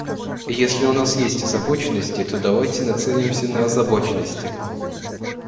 Если у нас есть озабоченности, то давайте нацелимся на озабоченности.